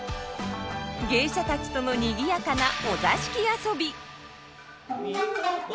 芸者たちとの賑やかなお座敷遊び。